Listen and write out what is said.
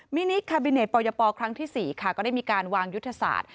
นิกคาบิเนตปยปครั้งที่๔ค่ะก็ได้มีการวางยุทธศาสตร์